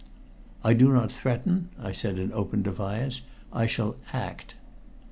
"I do not threaten," I said in open defiance, "I shall act."